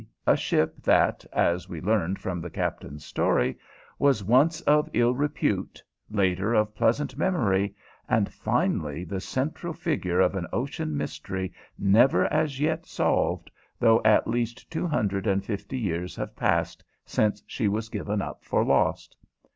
_, a ship that, as we learned from the captain's story, was once of ill repute, later of pleasant memory, and finally the central figure of an ocean mystery never as yet solved, though at least two hundred and fifty years had passed since she was given up for lost.